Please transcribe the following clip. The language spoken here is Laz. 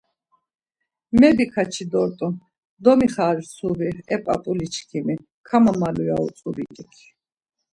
Mebikaçi dort̆un, domixarsuvi e p̌ap̌uli çkimi, kamamalu ya utzu biç̌ik.